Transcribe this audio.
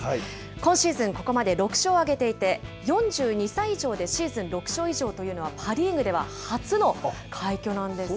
今シーズン、ここまで６勝を挙げていて、４２歳以上でシーズン６勝以上というのは、パ・リーグでは初の快挙なんですね。